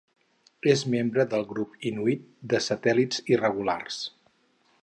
És membre del grup inuit de satèl·lits irregulars.